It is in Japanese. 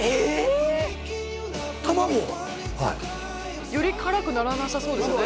卵はいより辛くならなさそうですよね